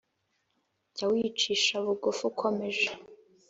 Jya wicisha bugufi ukomeje,